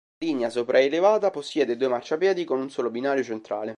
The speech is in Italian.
La linea sopraelevata possiede due marciapiedi con un solo binario centrale.